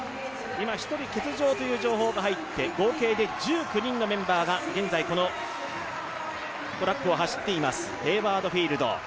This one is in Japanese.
１人、欠場という情報が入って合計で１９人のメンバーが現在このトラックを走っています、ヘイワード・フィールド。